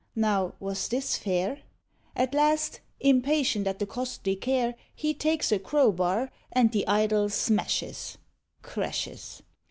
Now, was this fair? At last, impatient at the costly care, He takes a crowbar, and the Idol smashes (Crashes).